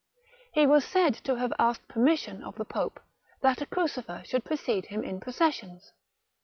He was said to have asked permission of the pope, that a crucifer should precede him in processions.